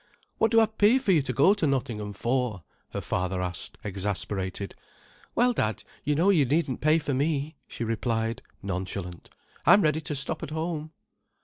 "What do I pay for you to go to Nottingham for?" her father asked, exasperated. "Well, Dad, you know you needn't pay for me," she replied, nonchalant. "I'm ready to stop at home."